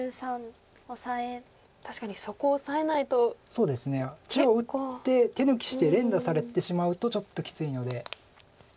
確かにそこオサえないと。中央打って手抜きして連打されてしまうとちょっときついので。